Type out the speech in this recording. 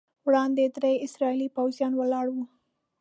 وړاندې درې اسرائیلي پوځیان ولاړ وو.